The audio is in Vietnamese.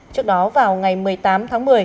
trước đó vào ngày một mươi tám tháng một mươi